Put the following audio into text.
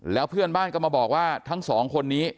แล้วเพื่อนบ้านก็มาบอกว่าทั้งสองคนนี้